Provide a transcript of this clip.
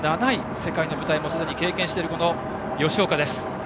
世界の舞台をすでに経験している吉岡です。